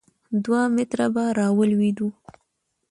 دوه متره به راولوېدو.